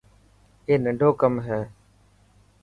اي ننڊو ڪم هي.